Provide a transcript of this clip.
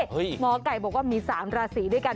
หมอไก่บอกว่ามี๓ราศีด้วยกัน